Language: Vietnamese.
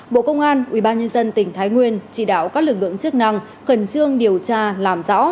bộ công an ubnd tỉnh thái nguyên chỉ đạo các lực lượng chức năng khẩn trương điều tra làm rõ